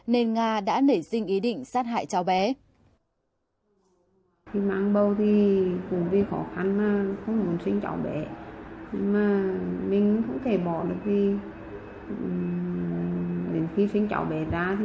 nên nga đã nảy sinh ý định sát hại cháu bé